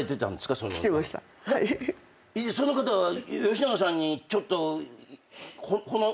その方は吉永さんにちょっとほの。